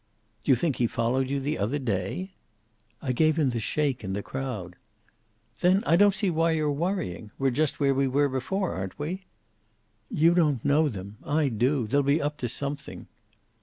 "Do you think he followed you the other day?" "I gave him the shake, in the crowd." "Then I don't see why you're worrying. We're just where we were before, aren't we?" "You don't know them. I do. They'll be up to something."